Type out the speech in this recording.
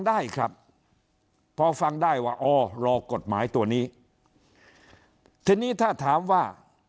ได้ครับพอฟังได้ว่าอ๋อรอกฎหมายตัวนี้ทีนี้ถ้าถามว่า